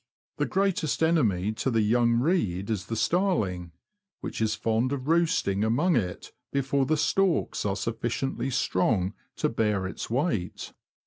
The greatest enemy to the young reed is the starling, which is fond of roosting among it before the stalks are sufficiently strong to bear its weight.